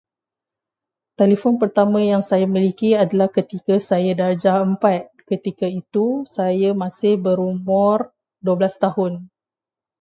Telefon pertama yang saya miliki adalah ketika saya darjah empat. Ketika itu, saya masih berumur dua belas tahun.